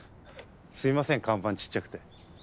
すいません看板ちっちゃくて。